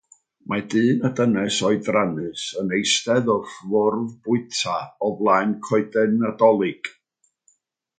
Mae dyn a dynes oedrannus yn eistedd wrth fwrdd bwyta o flaen coeden Nadolig.